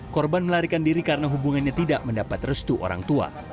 korban melarikan diri karena hubungannya tidak mendapat restu orang tua